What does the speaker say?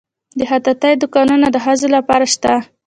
د خیاطۍ دوکانونه د ښځو لپاره شته؟